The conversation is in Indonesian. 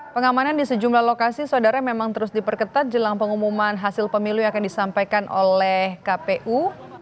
pengamanan di sejumlah lokasi saudara memang terus diperketat jelang pengumuman hasil pemilu yang akan disampaikan oleh kpu